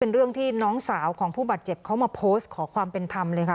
เรื่องที่น้องสาวของผู้บาดเจ็บเขามาโพสต์ขอความเป็นธรรมเลยค่ะ